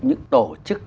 những tổ chức